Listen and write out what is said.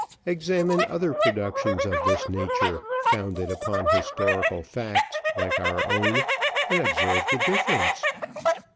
Examine other productions of this nature, founded upon historical facts, like our own, and observe the difference.